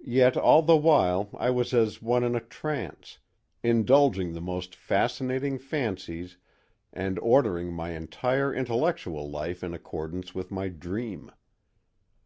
Yet all the while I was as one in a trance, indulging the most fascinating fancies and ordering my entire intellectual life in accordance with my dream.